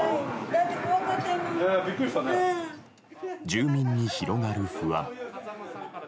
住民に広がる不安。